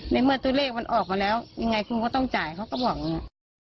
ในเมื่อตัวเลขมันออกมาแล้วยังไงคุณก็ต้องจ่ายเขาก็บอกอย่างนี้